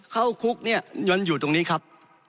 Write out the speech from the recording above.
เข้าคุกเนี่ยยนต์อยู่ตรงนี้ครับ